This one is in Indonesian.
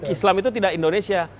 islam itu tidak indonesia